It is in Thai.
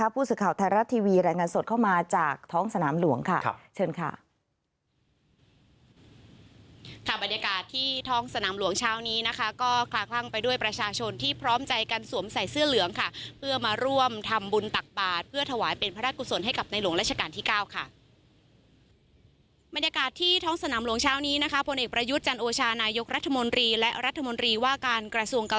พูดสุข่าวไทยรัฐทีวีรายงานสดเข้ามาจากท้องสนามหลวง